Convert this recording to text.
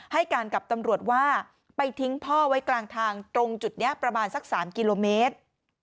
ให้การกับตำรวจว่าไปทิ้งพ่อไว้กลางทางตรงจุดนี้ประมาณสัก๓กิโลเมตร